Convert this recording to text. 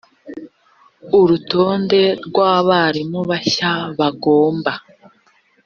urutonde rw abarimu bashya bagomba